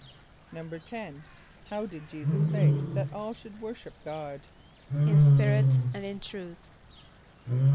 = =10.= How did J[=e]´[s+]us say that all should worship God? =In spirit and in truth.